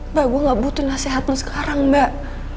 mbak gua nggak butuh nasihat lo sekarang mbak